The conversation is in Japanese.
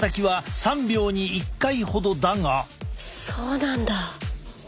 そうなんだ。